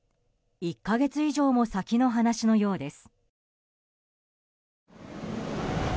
１か月以上も先の話のようです。